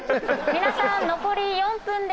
皆さん残り４分です。